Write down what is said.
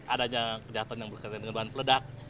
adanya kejahatan yang berkaitan dengan bahan peledak